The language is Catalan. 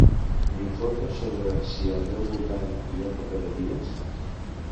M'informes sobre si al meu voltant hi ha papereries?